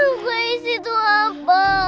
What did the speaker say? ngukai itu apa